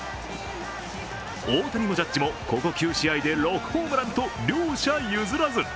大谷もジャッジもここ９試合で６ホームランと両者譲らず。